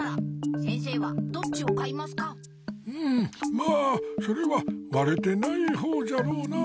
まあそれはわれてないほうじゃろうなぁ。